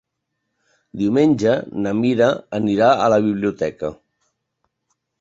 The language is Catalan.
Diumenge na Mira anirà a la biblioteca.